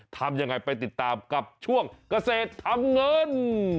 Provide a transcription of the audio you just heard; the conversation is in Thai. ทำยังไงไปติดตามกับช่วงเกษตรทำเงิน